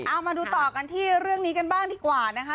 เอามาดูต่อกันที่เรื่องนี้กันบ้างดีกว่านะคะ